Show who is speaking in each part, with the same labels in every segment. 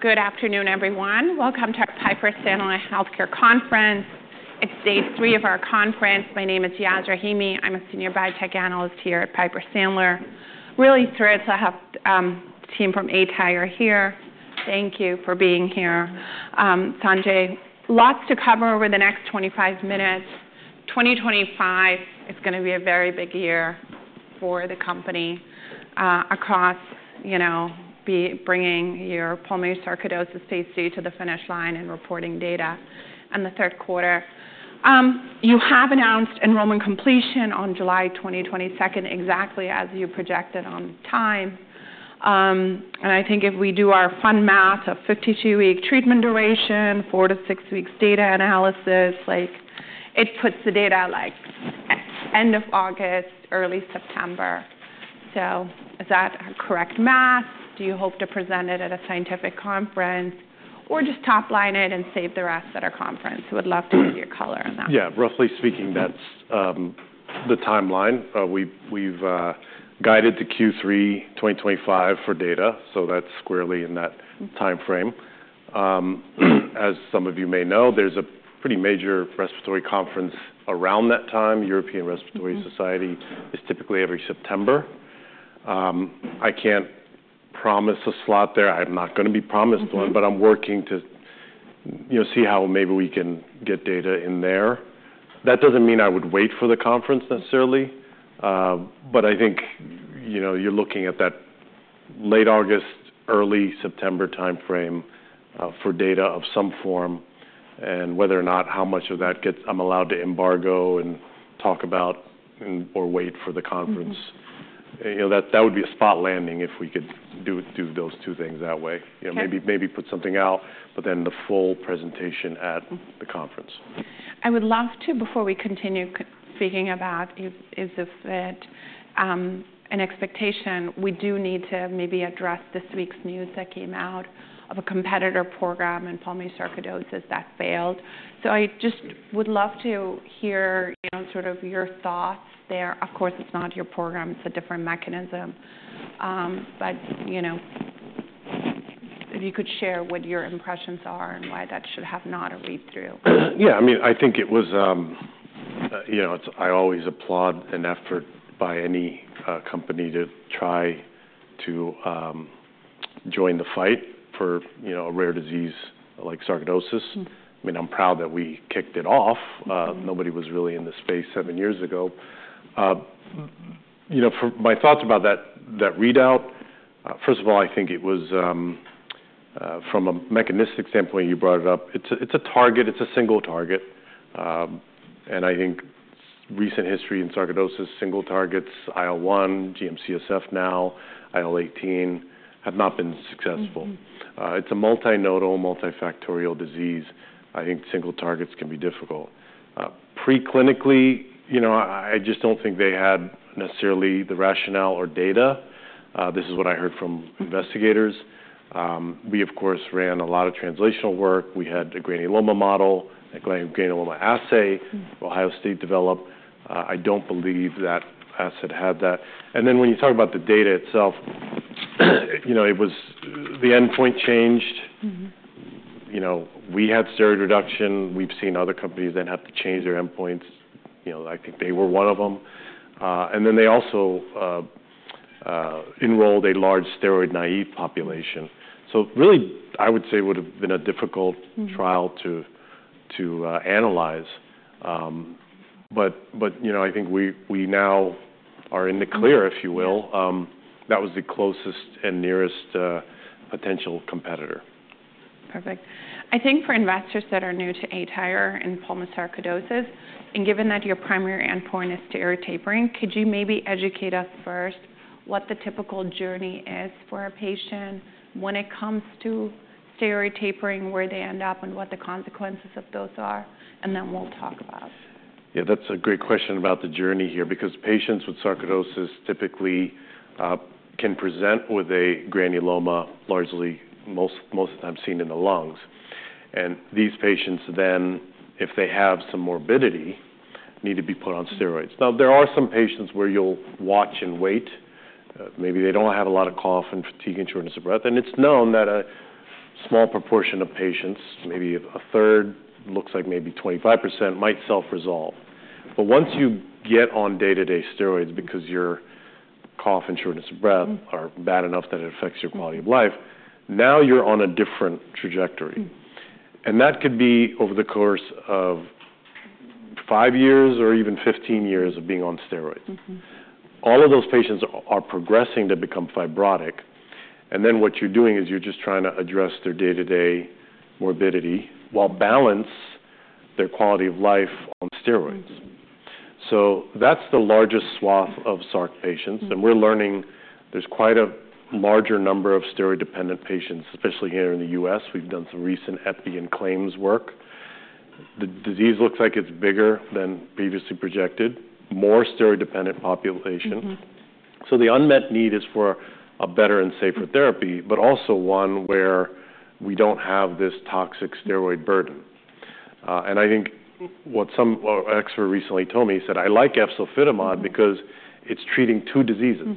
Speaker 1: Good afternoon, everyone. Welcome to Piper Sandler Healthcare Conference. It's day three of our conference. My name is Yas Rahimi. I'm a senior biotech analyst here at Piper Sandler. Really thrilled to have the team from aTyr here. Thank you for being here. Sanjay, lots to cover over the next 25 minutes. 2025 is going to be a very big year for the company across bringing your pulmonary sarcoidosis phase II to the finish line and reporting data in the third quarter. You have announced enrollment completion on July 2022, exactly as you projected on time. And I think if we do our fun math of 52-week treatment duration, four to six weeks data analysis, it puts the data at end of August, early September. So is that a correct math? Do you hope to present it at a scientific conference or just top line it and save the rest at a conference? We'd love to see your color on that.
Speaker 2: Yeah, roughly speaking, that's the timeline. We've guided to Q3 2025 for data, so that's squarely in that time frame. As some of you may know, there's a pretty major respiratory conference around that time. European Respiratory Society is typically every September. I can't promise a slot there. I'm not going to be promised one, but I'm working to see how maybe we can get data in there. That doesn't mean I would wait for the conference necessarily, but I think you're looking at that late August, early September time frame for data of some form. And whether or not how much of that gets I'm allowed to embargo and talk about or wait for the conference, that would be a spot landing if we could do those two things that way. Maybe put something out, but then the full presentation at the conference.
Speaker 1: I would love to, before we continue speaking about, is if it's an expectation, we do need to maybe address this week's news that came out of a competitor program in pulmonary sarcoidosis that failed. So I just would love to hear sort of your thoughts there? Of course, it's not your program. It's a different mechanism. But if you could share what your impressions are and why that should have not a read-through?
Speaker 2: Yeah, I mean, I think it was. I always applaud an effort by any company to try to join the fight for a rare disease like sarcoidosis. I mean, I'm proud that we kicked it off. Nobody was really in the space seven years ago. My thoughts about that readout, first of all, I think it was from a mechanistic standpoint, you brought it up. It's a target. It's a single target. And I think recent history in sarcoidosis, single targets, IL-1, GM-CSF now, IL-18 have not been successful. It's a multinodal, multifactorial disease. I think single targets can be difficult. Pre-clinically, I just don't think they had necessarily the rationale or data. This is what I heard from investigators. We, of course, ran a lot of translational work. We had a granuloma model, a granuloma assay Ohio State developed. I don't believe that asset had that. And then when you talk about the data itself, the endpoint changed. We had steroid reduction. We've seen other companies that have to change their endpoints. I think they were one of them. And then they also enrolled a large steroid naive population. So really, I would say it would have been a difficult trial to analyze. But I think we now are in the clear, if you will. That was the closest and nearest potential competitor.
Speaker 1: Perfect. I think for investors that are new to aTyr in pulmonary sarcoidosis, and given that your primary endpoint is steroid tapering, could you maybe educate us first what the typical journey is for a patient when it comes to steroid tapering, where they end up, and what the consequences of those are? And then we'll talk about.
Speaker 2: Yeah, that's a great question about the journey here because patients with sarcoidosis typically can present with a granuloma, largely most of the time seen in the lungs, and these patients then, if they have some morbidity, need to be put on steroids. Now, there are some patients where you'll watch and wait. Maybe they don't have a lot of cough and fatigue and shortness of breath, and it's known that a small proportion of patients, maybe a third, looks like maybe 25%, might self-resolve, but once you get on day-to-day steroids because your cough and shortness of breath are bad enough that it affects your quality of life, now you're on a different trajectory, and that could be over the course of five years or even 15 years of being on steroids. All of those patients are progressing to become fibrotic. And then what you're doing is you're just trying to address their day-to-day morbidity while balancing their quality of life on steroids. So that's the largest swath of sarc patients. And we're learning there's quite a larger number of steroid-dependent patients, especially here in the U.S. We've done some recent epi and claims work. The disease looks like it's bigger than previously projected, more steroid-dependent population. So the unmet need is for a better and safer therapy, but also one where we don't have this toxic steroid burden. And I think what some experts recently told me, he said, "I like efzofitimod because it's treating two diseases.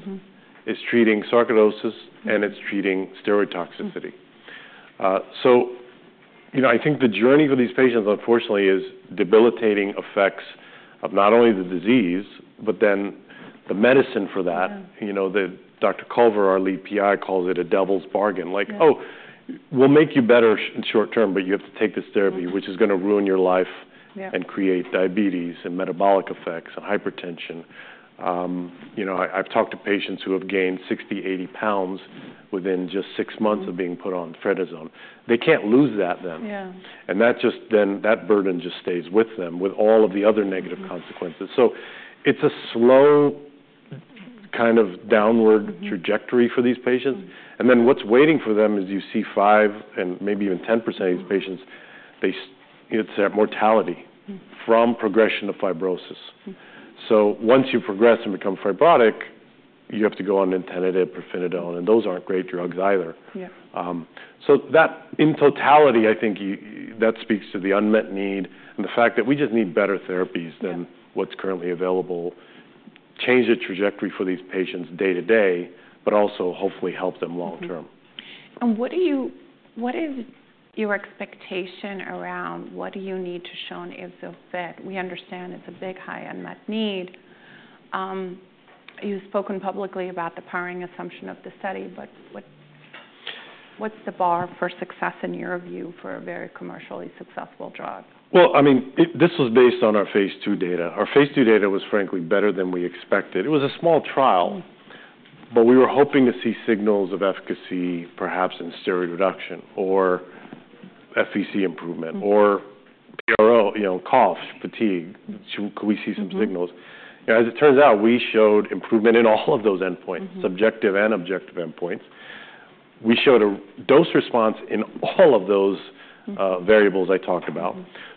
Speaker 2: It's treating sarcoidosis and it's treating steroid toxicity." So I think the journey for these patients, unfortunately, is debilitating effects of not only the disease, but then the medicine for that. Dr. Culver, our lead PI, calls it a devil's bargain. Like, "Oh, we'll make you better in short term, but you have to take this therapy, which is going to ruin your life and create diabetes and metabolic effects and hypertension." I've talked to patients who have gained 60, 80 pounds within just six months of being put on prednisone. They can't lose that then. And that burden just stays with them with all of the other negative consequences. So it's a slow kind of downward trajectory for these patients. And then what's waiting for them is you see 5% and maybe even 10% of these patients, it's their mortality from progression of fibrosis. So once you progress and become fibrotic, you have to go on nintedanib, pirfenidone, and those aren't great drugs either. So that, in totality, I think that speaks to the unmet need and the fact that we just need better therapies than what's currently available, change the trajectory for these patients day to day, but also hopefully help them long term.
Speaker 1: And what is your expectation around what do you need to show for efzofitimod? We understand it's a big, high unmet need. You've spoken publicly about the powering assumption of the study, but what's the bar for success in your view for a very commercially successful drug?
Speaker 2: I mean, this was based on our phase II data. Our phase II data was frankly better than we expected. It was a small trial, but we were hoping to see signals of efficacy, perhaps in steroid reduction or FVC improvement or PRO, cough, fatigue. Could we see some signals? As it turns out, we showed improvement in all of those endpoints, subjective and objective endpoints. We showed a dose response in all of those variables I talked about.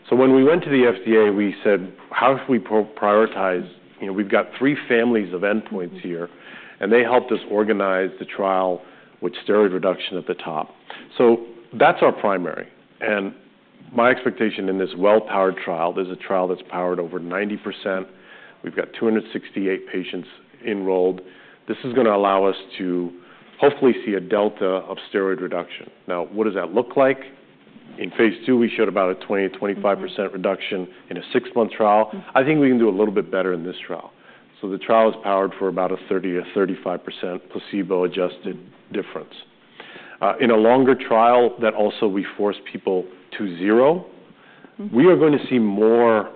Speaker 2: So when we went to the FDA, we said, "How should we prioritize?" We've got three families of endpoints here, and they helped us organize the trial with steroid reduction at the top. That's our primary. My expectation in this well-powered trial, this is a trial that's powered over 90%. We've got 268 patients enrolled. This is going to allow us to hopefully see a delta of steroid reduction. Now, what does that look like? In phase II, we showed about a 20%-25% reduction in a six-month trial. I think we can do a little bit better in this trial. So the trial is powered for about a 30%-35% placebo-adjusted difference. In a longer trial that also we force people to zero, we are going to see more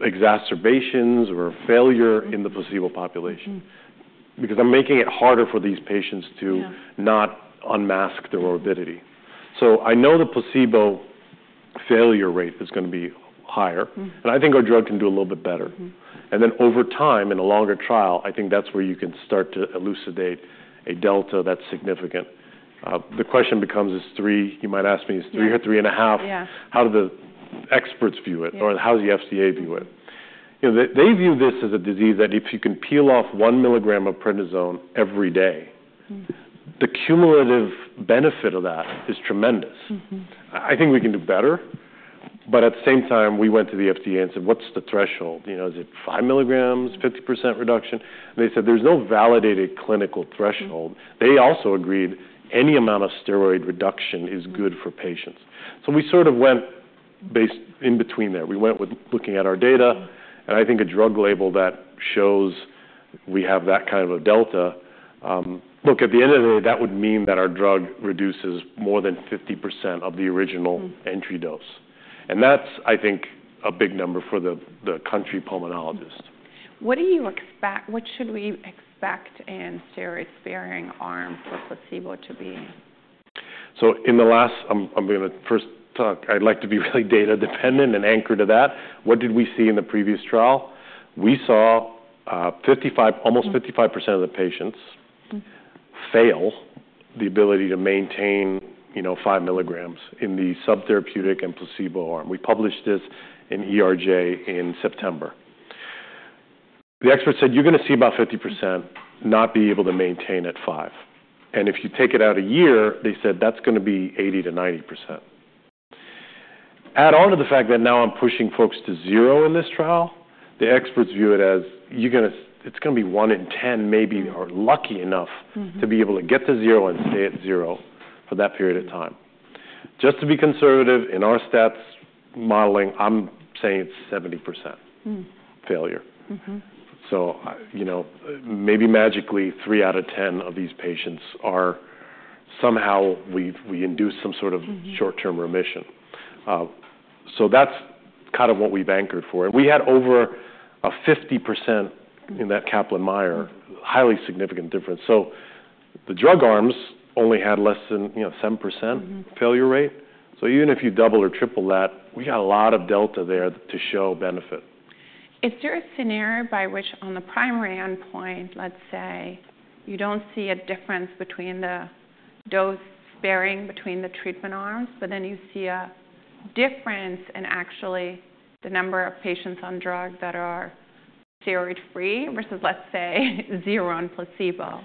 Speaker 2: exacerbations or failure in the placebo population because I'm making it harder for these patients to not unmask their morbidity. So I know the placebo failure rate is going to be higher, and I think our drug can do a little bit better. And then over time, in a longer trial, I think that's where you can start to elucidate a delta that's significant. The question becomes, is three, you might ask me, is three or three and a half? How do the experts view it? Or how does the FDA view it? They view this as a disease that if you can peel off one milligram of prednisone every day, the cumulative benefit of that is tremendous. I think we can do better. But at the same time, we went to the FDA and said, "What's the threshold? Is it five milligrams, 50% reduction?" And they said, "There's no validated clinical threshold." They also agreed any amount of steroid reduction is good for patients. So we sort of went in between there. We went with looking at our data, and I think a drug label that shows we have that kind of a delta. Look, at the end of the day, that would mean that our drug reduces more than 50% of the original entry dose. And that's, I think, a big number for the community pulmonologist.
Speaker 1: What should we expect in steroid-sparing arm for placebo to be?
Speaker 2: So in the last, I'm going to first talk. I'd like to be really data-dependent and anchored to that. What did we see in the previous trial? We saw almost 55% of the patients fail the ability to maintain five milligrams in the subtherapeutic and placebo arm. We published this in ERJ in September. The experts said, "You're going to see about 50% not be able to maintain at five." And if you take it out a year, they said, "That's going to be 80%-90%." Add on to the fact that now I'm pushing folks to zero in this trial, the experts view it as it's going to be one in 10 maybe are lucky enough to be able to get to zero and stay at zero for that period of time. Just to be conservative in our stats modeling, I'm saying it's 70% failure. So maybe magically, three out of 10 of these patients are somehow we induce some sort of short-term remission. So that's kind of what we've anchored for. And we had over 50% in that Kaplan-Meier highly significant difference. So the drug arms only had less than 7% failure rate. So even if you double or triple that, we got a lot of delta there to show benefit.
Speaker 1: Is there a scenario by which on the primary endpoint, let's say you don't see a difference between the dose sparing between the treatment arms, but then you see a difference in actually the number of patients on drug that are steroid-free versus, let's say, zero on placebo?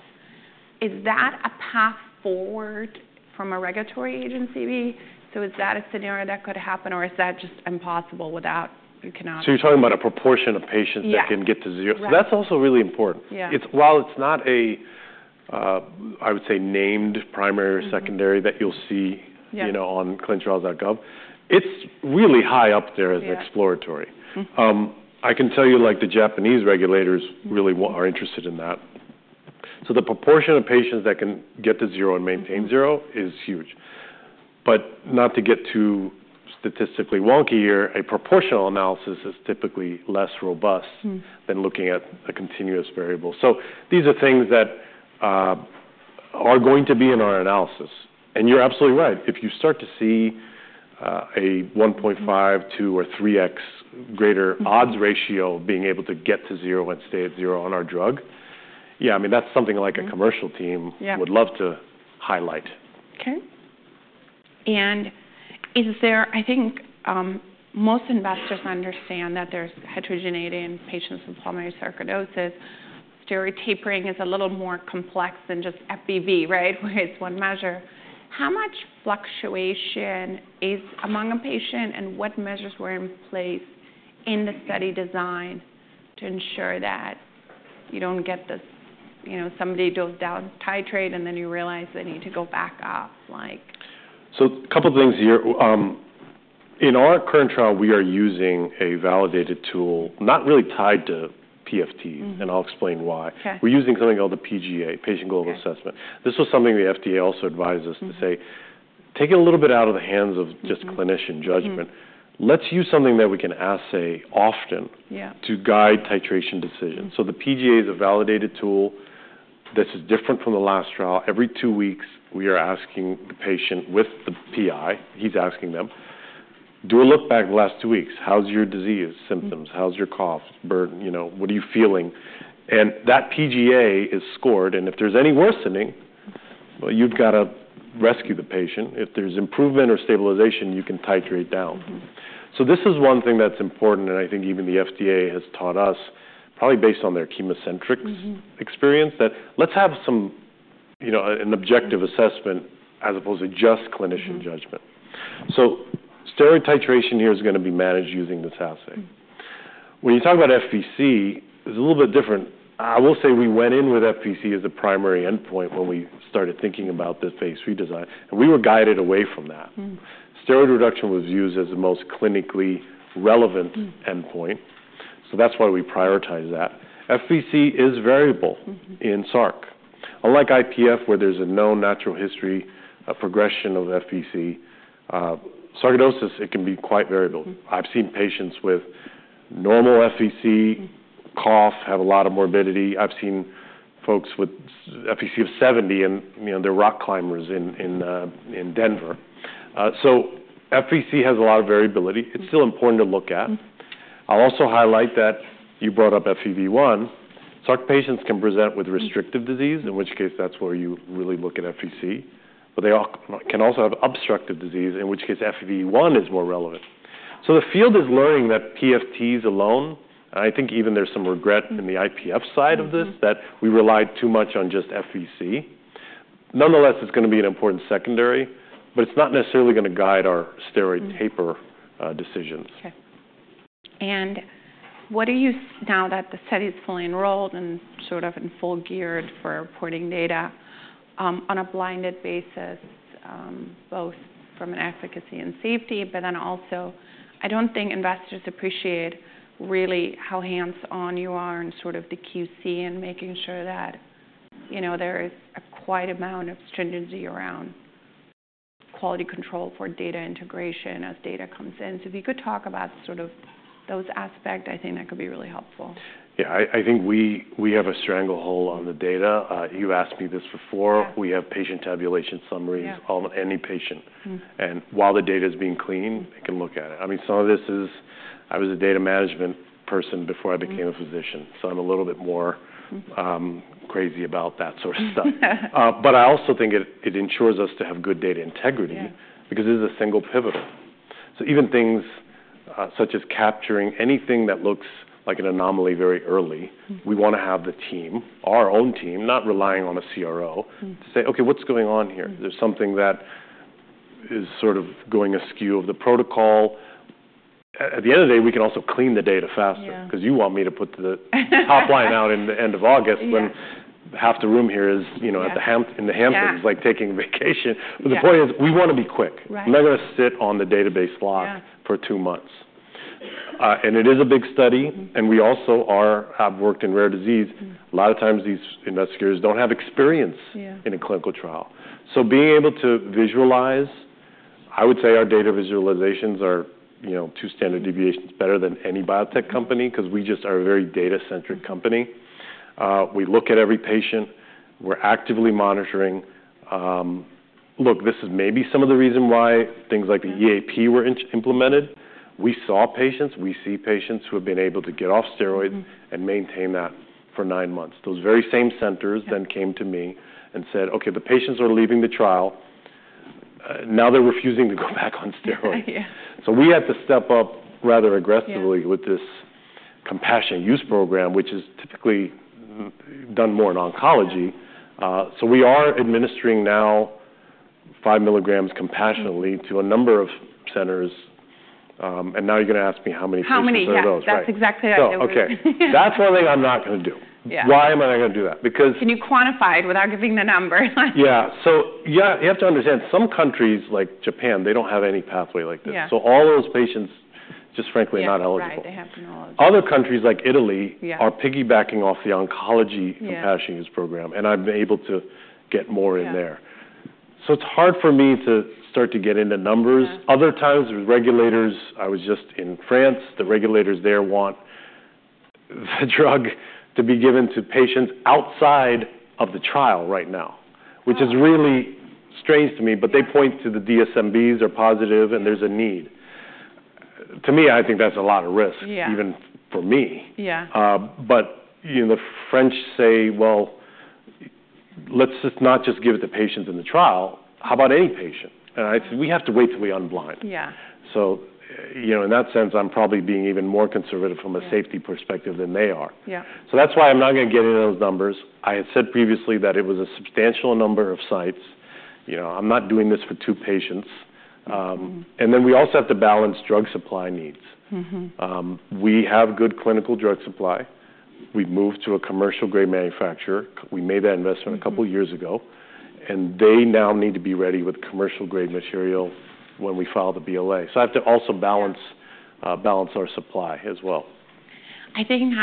Speaker 1: Is that a path forward from a regulatory agency? So, is that a scenario that could happen, or is that just impossible without you cannot?
Speaker 2: You're talking about a proportion of patients that can get to zero. That's also really important. While it's not a, I would say, named primary or secondary that you'll see on ClinicalTrials.gov, it's really high up there as exploratory. I can tell you the Japanese regulators really are interested in that. The proportion of patients that can get to zero and maintain zero is huge. But not to get too statistically wonky here, a proportional analysis is typically less robust than looking at a continuous variable. These are things that are going to be in our analysis. You're absolutely right. If you start to see a 1.5, two, or three times greater odds ratio of being able to get to zero and stay at zero on our drug, yeah, I mean, that's something like a commercial team would love to highlight.
Speaker 1: Okay. And I think most investors understand that there's heterogeneity in patients with pulmonary sarcoidosis. Steroid tapering is a little more complex than just FVC, right, where it's one measure. How much fluctuation is among a patient, and what measures were in place in the study design to ensure that you don't get this somebody does downtitrate and then you realize they need to go back up?
Speaker 2: So a couple of things here. In our current trial, we are using a validated tool, not really tied to PFTs, and I'll explain why. We're using something called the PGA, Patient Global Assessment. This was something the FDA also advised us to say, "Take it a little bit out of the hands of just clinician judgment. Let's use something that we can assay often to guide titration decisions." So the PGA is a validated tool. This is different from the last trial. Every two weeks, we are asking the patient with the PI, he's asking them, "Do a look back the last two weeks. How's your disease symptoms? How's your cough? What are you feeling?" And that PGA is scored. And if there's any worsening, well, you've got to rescue the patient. If there's improvement or stabilization, you can titrate down. This is one thing that's important, and I think even the FDA has taught us, probably based on their ChemoCentryx experience, that let's have an objective assessment as opposed to just clinician judgment. Steroid titration here is going to be managed using this assay. When you talk about FVC, it's a little bit different. I will say we went in with FVC as a primary endpoint when we started thinking about the phase III design, and we were guided away from that. Steroid reduction was used as the most clinically relevant endpoint. That's why we prioritize that. FVC is variable in sarc. Unlike IPF, where there's a known natural history of progression of FVC, sarcoidosis, it can be quite variable. I've seen patients with normal FVC, cough, have a lot of morbidity. I've seen folks with FVC of 70, and they're rock climbers in Denver. So FVC has a lot of variability. It's still important to look at. I'll also highlight that you brought up FEV1. sarc patients can present with restrictive disease, in which case that's where you really look at FVC, but they can also have obstructive disease, in which case FEV1 is more relevant. So the field is learning that PFTs alone, and I think even there's some regret in the IPF side of this, that we relied too much on just FVC. Nonetheless, it's going to be an important secondary, but it's not necessarily going to guide our steroid taper decisions.
Speaker 1: Okay. And what are you now that the study is fully enrolled and sort of in full gear for reporting data on a blinded basis, both from an efficacy and safety, but then also I don't think investors appreciate really how hands-on you are in sort of the QC and making sure that there is a quite amount of stringency around quality control for data integration as data comes in. So if you could talk about sort of those aspects, I think that could be really helpful.
Speaker 2: Yeah. I think we have a stranglehold on the data. You asked me this before. We have patient tabulation summaries on any patient. And while the data is being cleaned, they can look at it. I mean, some of this is I was a data management person before I became a physician, so I'm a little bit more crazy about that sort of stuff. But I also think it ensures us to have good data integrity because it is a single pivotal. So even things such as capturing anything that looks like an anomaly very early, we want to have the team, our own team, not relying on a CRO, to say, "Okay, what's going on here? There's something that is sort of going askew of the protocol." At the end of the day, we can also clean the data faster because you want me to put the top line out in the end of August when half the room here is in The Hamptons like taking a vacation, but the point is we want to be quick. I'm not going to sit on the database lock for two months, and it is a big study, and we also have worked in rare disease. A lot of times these investigators don't have experience in a clinical trial. So being able to visualize, I would say our data visualizations are two standard deviations better than any biotech company because we just are a very data-centric company. We look at every patient. We're actively monitoring. Look, this is maybe some of the reason why things like the EAP were implemented. We saw patients. We see patients who have been able to get off steroids and maintain that for nine months. Those very same centers then came to me and said, "Okay, the patients are leaving the trial. Now they're refusing to go back on steroids." So we had to step up rather aggressively with this compassionate use program, which is typically done more in oncology. So we are administering now five milligrams compassionately to a number of centers. And now you're going to ask me how many patients are those, right?
Speaker 1: How many? That's exactly what I was going to say.
Speaker 2: Okay. That's one thing I'm not going to do. Why am I not going to do that? Because.
Speaker 1: Can you quantify it without giving the number?
Speaker 2: Yeah. So you have to understand some countries like Japan, they don't have any pathway like this. So all those patients just frankly are not eligible.
Speaker 1: That's right. They have no eligibility.
Speaker 2: Other countries like Italy are piggybacking off the oncology compassionate use program, and I've been able to get more in there, so it's hard for me to start to get into numbers. Other times with regulators, I was just in France. The regulators there want the drug to be given to patients outside of the trial right now, which is really strange to me, but they point to the DSMBs are positive and there's a need. To me, I think that's a lot of risk, even for me, but the French say, "Well, let's just not just give it to patients in the trial. How about any patient?" and I said, "We have to wait till we unblind," so in that sense, I'm probably being even more conservative from a safety perspective than they are, so that's why I'm not going to get into those numbers. I had said previously that it was a substantial number of sites. I'm not doing this for two patients, and then we also have to balance drug supply needs. We have good clinical drug supply. We've moved to a commercial-grade manufacturer. We made that investment a couple of years ago, and they now need to be ready with commercial-grade material when we file the BLA, so I have to also balance our supply as well.
Speaker 1: I think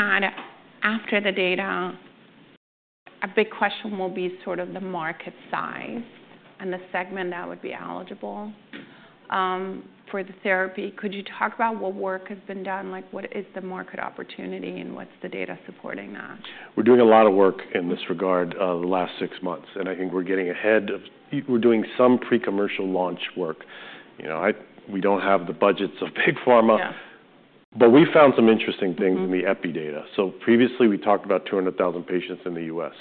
Speaker 1: after the data, a big question will be sort of the market size and the segment that would be eligible for the therapy. Could you talk about what work has been done? What is the market opportunity and what's the data supporting that?
Speaker 2: We're doing a lot of work in this regard the last six months, and I think we're getting ahead of we're doing some pre-commercial launch work. We don't have the budgets of big pharma, but we found some interesting things in the epi data. So previously, we talked about 200,000 patients in the U.S.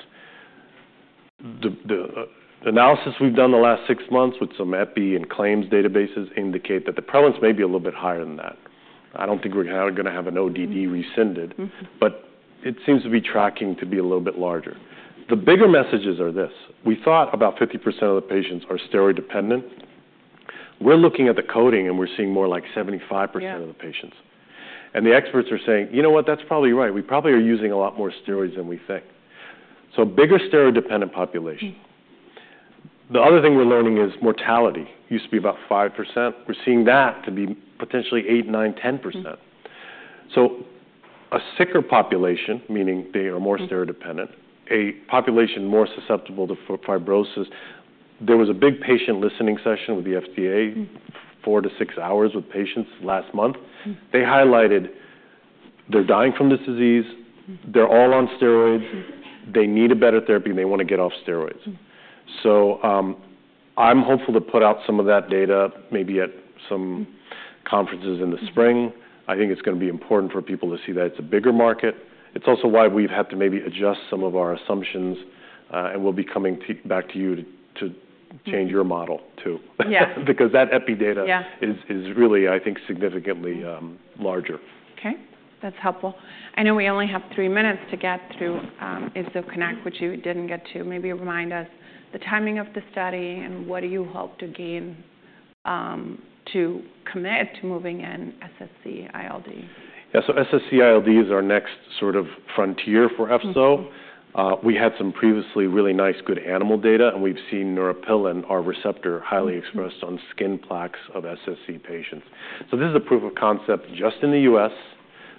Speaker 2: The analysis we've done the last six months with some epi and claims databases indicate that the prevalence may be a little bit higher than that. I don't think we're going to have an ODD rescinded, but it seems to be tracking to be a little bit larger. The bigger messages are this. We thought about 50% of the patients are steroid dependent. We're looking at the coding, and we're seeing more like 75% of the patients. And the experts are saying, "You know what? That's probably right. “We probably are using a lot more steroids than we think.” So bigger steroid dependent population. The other thing we're learning is mortality used to be about 5%. We're seeing that to be potentially 8, 9, 10%. So a sicker population, meaning they are more steroid dependent, a population more susceptible to fibrosis. There was a big patient listening session with the FDA, four to six hours with patients last month. They highlighted they're dying from this disease. They're all on steroids. They need a better therapy, and they want to get off steroids. So I'm hopeful to put out some of that data maybe at some conferences in the spring. I think it's going to be important for people to see that it's a bigger market. It's also why we've had to maybe adjust some of our assumptions, and we'll be coming back to you to change your model too because that epi data is really, I think, significantly larger.
Speaker 1: Okay. That's helpful. I know we only have three minutes to get through EFZO-CONNECT, which you didn't get to. Maybe remind us the timing of the study and what do you hope to gain to commit to moving in SSc-ILD?
Speaker 2: Yeah. So SSc-ILD is our next sort of frontier for efzo. We had some previously really nice good animal data, and we've seen neuropilin, our receptor, highly expressed on skin plaques of SSc patients. So this is a proof of concept just in the U.S.,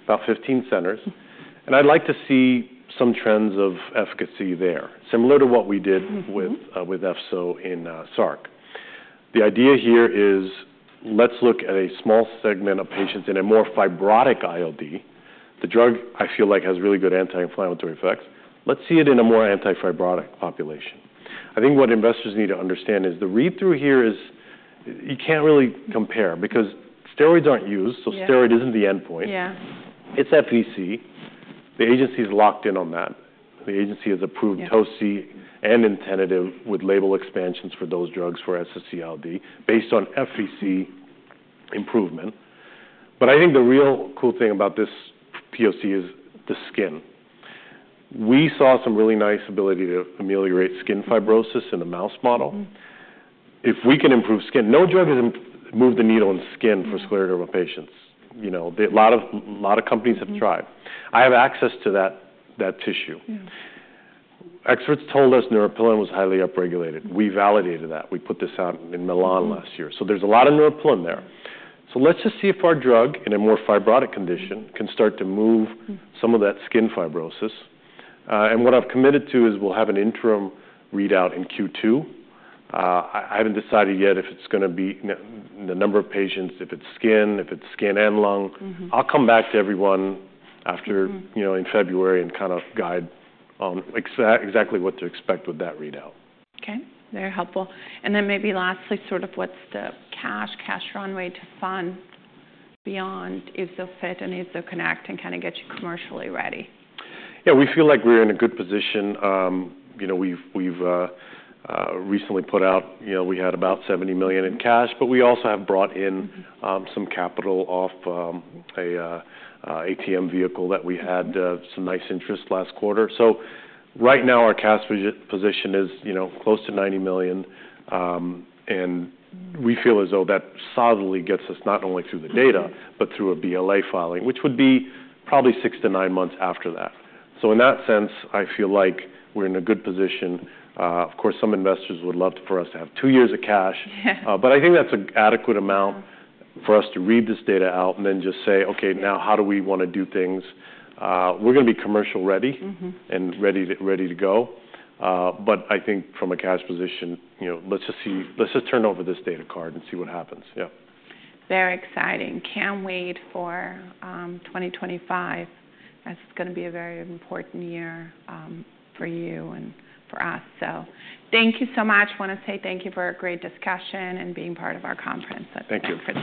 Speaker 2: about 15 centers. And I'd like to see some trends of efficacy there, similar to what we did with efzo in SARC. The idea here is let's look at a small segment of patients in a more fibrotic ILD. The drug, I feel like, has really good anti-inflammatory effects. Let's see it in a more antifibrotic population. I think what investors need to understand is the read-through here is you can't really compare because steroids aren't used, so steroid isn't the endpoint. It's FVC. The agency is locked in on that. The agency has approved tocilizumab and nintedanib with label expansions for those drugs for SSc-ILD based on FVC improvement, but I think the real cool thing about this POC is the skin. We saw some really nice ability to ameliorate skin fibrosis in the mouse model. If we can improve skin, no drug has moved the needle in skin for scleroderma patients. A lot of companies have tried. I have access to that tissue. Experts told us neuropilin was highly upregulated. We validated that. We put this out in Milan last year, so there's a lot of neuropilin there, so let's just see if our drug in a more fibrotic condition can start to move some of that skin fibrosis, and what I've committed to is we'll have an interim readout in Q2. I haven't decided yet if it's going to be the number of patients, if it's skin, if it's skin and lung. I'll come back to everyone in February and kind of guide on exactly what to expect with that readout.
Speaker 1: Okay. Very helpful. And then maybe lastly, sort of what's the cash, cash runway to fund beyond EFZO-FIT and EFZO-CONNECT and kind of get you commercially ready?
Speaker 2: Yeah. We feel like we're in a good position. We've recently put out we had about $70 million in cash, but we also have brought in some capital off an ATM vehicle that we had some nice interest last quarter. So right now, our cash position is close to $90 million, and we feel as though that solidly gets us not only through the data, but through a BLA filing, which would be probably six to nine months after that. So in that sense, I feel like we're in a good position. Of course, some investors would love for us to have two years of cash, but I think that's an adequate amount for us to read this data out and then just say, "Okay, now how do we want to do things?" We're going to be commercial ready and ready to go. But I think from a cash position, let's just turn over this data card and see what happens. Yeah.
Speaker 1: Very exciting. Can't wait for 2025 as it's going to be a very important year for you and for us. So thank you so much. I want to say thank you for a great discussion and being part of our conference.
Speaker 2: Thank you.